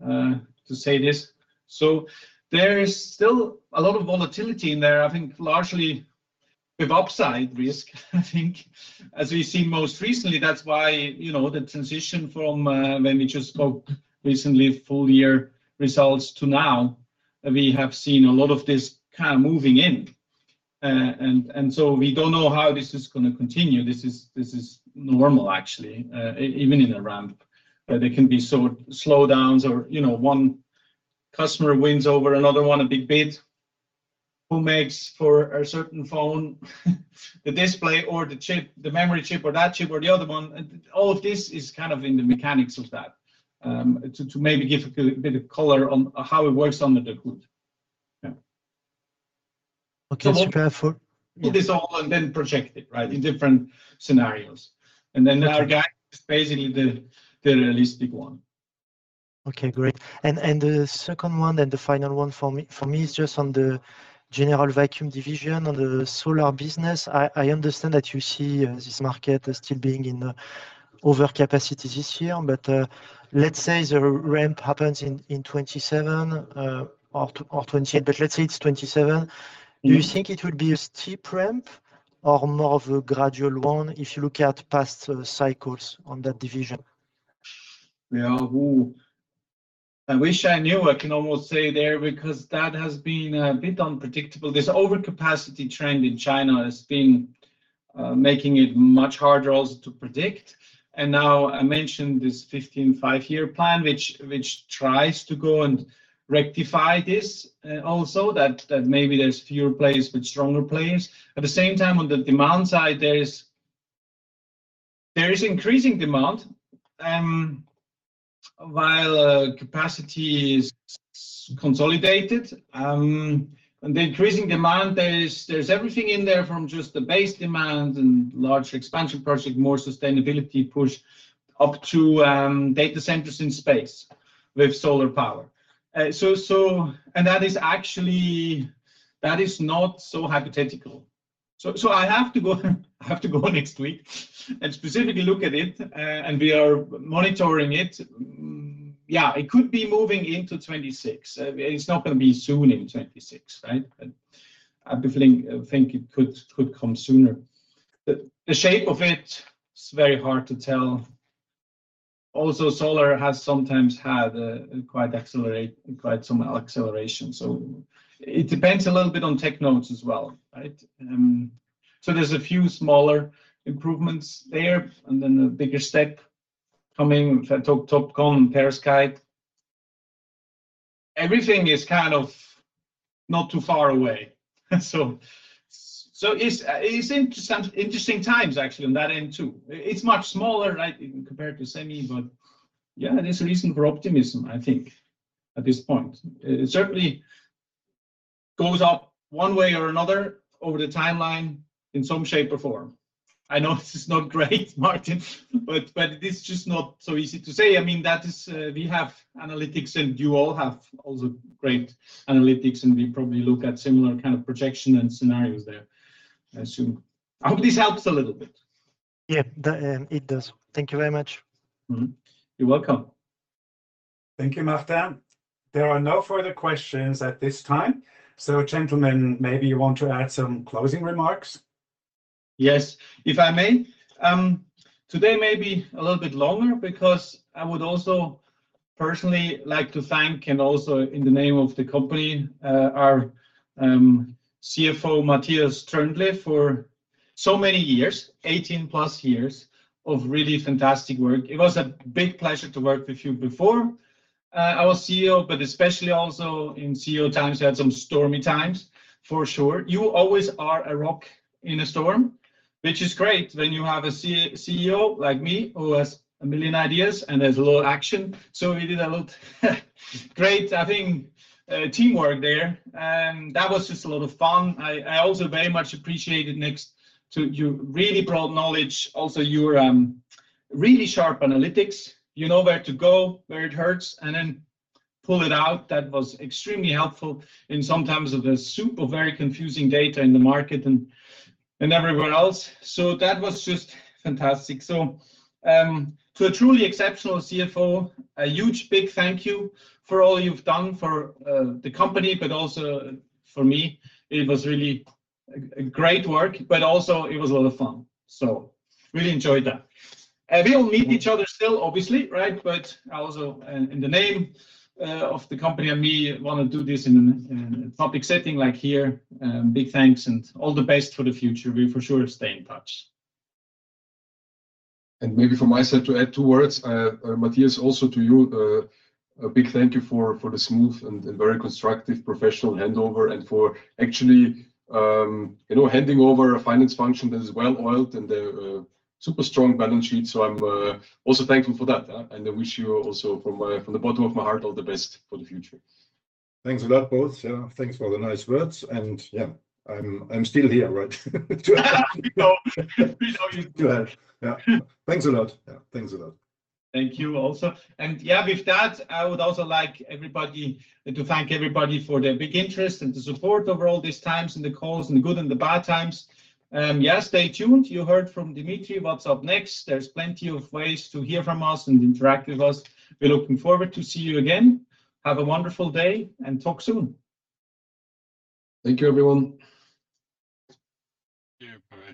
to say this. There is still a lot of volatility in there, I think largely with upside risk, I think. As we've seen most recently, that's why the transition from when we just spoke recently full year results to now, we have seen a lot of this kind of moving in. We don't know how this is going to continue. This is normal, actually, even in a ramp. There can be slowdowns or one customer wins over another one, a big bid. Who makes for a certain phone, the display or the chip, the memory chip or that chip or the other one? All of this is kind of in the mechanics of that, to maybe give a bit of color on how it works under the hood. Yeah. Okay. Super. Do this all and then project it, right, in different scenarios. Our guide is basically the realistic one. Okay, great. The second one, and the final one for me is just on the General Vacuum division, on the solar business. I understand that you see this market as still being in overcapacity this year, but let's say the ramp happens in 2027 or 2028, but let's say it's 2027. Mm-hmm. Do you think it would be a steep ramp or more of a gradual one if you look at past cycles on that division? I wish I knew, I can almost say there, because that has been a bit unpredictable. This overcapacity trend in China has been making it much harder also to predict. Now I mentioned this 15th Five-Year Plan, which tries to go and rectify this also, that maybe there's fewer players but stronger players. At the same time, on the demand side, there is increasing demand, while capacity is consolidated. On the increasing demand, there's everything in there from just the base demand and large expansion project, more sustainability push, up to data centers in space with solar power. That is not so hypothetical. I have to go next week and specifically look at it, and we are monitoring it. Yeah, it could be moving into 2026. It's not going to be soon in 2026, right? I definitely think it could come sooner. The shape of it is very hard to tell. Also, solar has sometimes had quite some acceleration. It depends a little bit on tech nodes as well, right? There's a few smaller improvements there and then a bigger step coming with TOPCon and perovskite. Everything is kind of not too far away. It's interesting times actually on that end, too. It's much smaller compared to semi, but yeah, there's a reason for optimism, I think, at this point. It certainly goes up one way or another over the timeline, in some shape or form. I know this is not great, Martin, but it is just not so easy to say. We have analytics, and you all have also great analytics, and we probably look at similar kind of projection and scenarios there, I assume. I hope this helps a little bit. Yeah. It does. Thank you very much. You're welcome. Thank you, Martin. There are no further questions at this time. Gentlemen, maybe you want to add some closing remarks? Yes, if I may. Today may be a little bit longer because I would also personally like to thank, and also in the name of the company, our CFO, Matthias Tröndle, for so many years, 18+ years, of really fantastic work. It was a big pleasure to work with you before I was CEO, but especially also in CEO times. You had some stormy times, for sure. You always are a rock in a storm, which is great when you have a CEO like me who has a million ideas and there's a lot of action. So we did a lot great, I think, teamwork there. That was just a lot of fun. I also very much appreciated, next to your really broad knowledge, also your really sharp analytics. You know where to go, where it hurts, and then pull it out. That was extremely helpful in some times of the super very confusing data in the market and everywhere else. That was just fantastic. To a truly exceptional CFO, a huge big thank you for all you've done for the company, but also for me. It was really great work, but also it was a lot of fun. Really enjoyed that. We'll meet each other still, obviously. Also in the name of the company and me, I want to do this in a public setting like here. Big thanks and all the best for the future. We for sure stay in touch. Maybe from my side to add two words. Matthias, also to you, a big thank you for the smooth and very constructive professional handover and for actually handing over a finance function that is well-oiled and a super strong balance sheet. I'm also thankful for that. I wish you also, from the bottom of my heart, all the best for the future. Thanks a lot, both. Yeah, thanks for the nice words. Yeah, I'm still here, ready to help. We know you are. Yeah. Thanks a lot. Thank you also. Yeah, with that, I would also like to thank everybody for their big interest and the support over all these times in the calls and the good and the bad times. Yeah, stay tuned. You heard from Dimitrij what's up next. There's plenty of ways to hear from us and interact with us. We're looking forward to see you again. Have a wonderful day and talk soon. Thank you everyone. Thank you for having me.